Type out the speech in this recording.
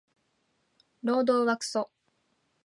労働はクソ